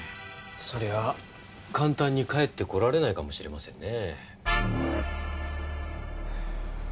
そりゃあ簡単に帰ってこられないかもしれませんね。